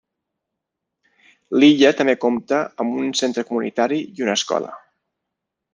L'illa també compta amb un centre comunitari i una escola.